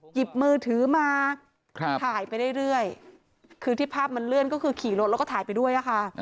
หยิบมือถือมาถ่ายไปเรื่อยคือที่ภาพมันเลื่อนก็คือขี่รถแล้วก็ถ่ายไปด้วยค่ะ